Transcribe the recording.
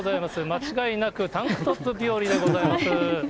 間違いなくタンクトップ日和でございます。